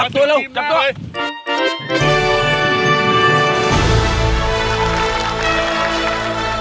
ก็เรียกว่า